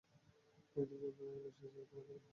এই দুইজন তোমার ব্যবসা চিরতরের জন্য বন্ধ করতে এসেছে।